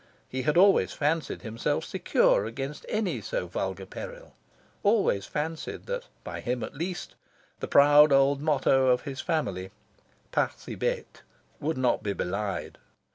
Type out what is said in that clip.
He had always fancied himself secure against any so vulgar peril; always fancied that by him at least, the proud old motto of his family "Pas si bete" would not be belied.